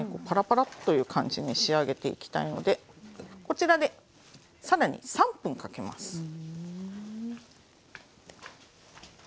パラパラッという感じに仕上げていきたいのでこちらで更に３分かけます。